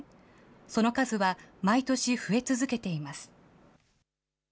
その数は毎年増え続けています。